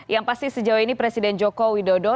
yang pasti sejauh ini presiden joko widodo